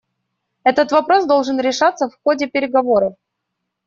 Этот вопрос должен решаться в ходе переговоров.